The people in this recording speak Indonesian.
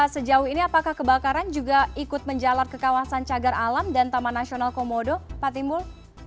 sejauh ini apakah kebakaran juga ikut menjalar ke kawasan cagar alam dan taman nasional komodo pak timbul